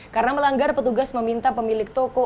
karena melanggar petugas meminta pemilik toko